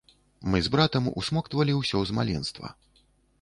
Мы з братам усмоктвалі ўсё з маленства.